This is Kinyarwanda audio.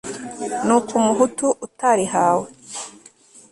nuko umuhutu utarihawe